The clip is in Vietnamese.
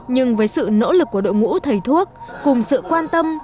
nhưng với sự nỗ lực của đội ngũ thầy thuốc cùng sự quan tâm